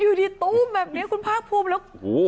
อยู่ดีตู้มแบบนี้คุณภาคภูมิแล้ว